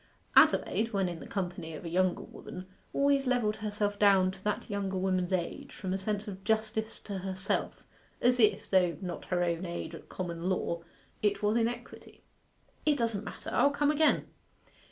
Adelaide, when in the company of a younger woman, always levelled herself down to that younger woman's age from a sense of justice to herself as if, though not her own age at common law, it was in equity. 'It doesn't matter. I'll come again.